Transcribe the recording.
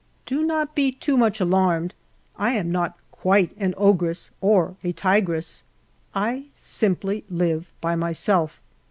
Do not be too much alarmed ; I am not quite an ogress or a tigress. I simply live by myself.